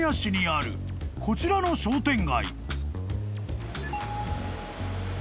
あるこちらの商店街］